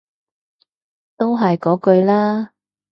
都係嗰句啦